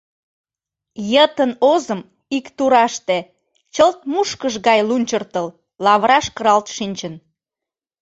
Йытын озым ик тураште, чылт мушкыш гай лунчыртыл, лавыраш кыралт шинчын.